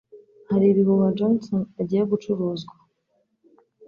Hari ibihuha Johnson agiye gucuruzwa.